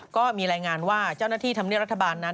ก็มีรายงานว่าเจ้าหน้าที่ธรรมเนียบรัฐบาลนั้น